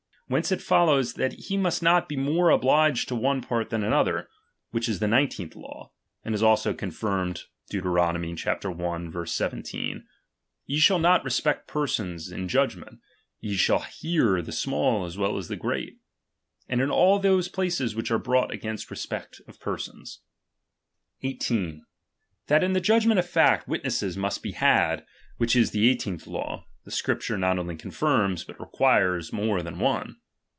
Whence it follows, that he must not be more obliged to one part than the other ; whicli is the nineteenth law ; and is also confirmed, Deut. !■ 17 ; IV shall not respect persons in judgment, ye shall hear the small as well as the great ; and in all those places which are brought against re spect of persons. 18. That in the judgment of fact witnesses '^'""''^"'^"si' most be had, which is the eighteenth law, the lug «iinejse.. Scripture not only confirms, but requires more than one.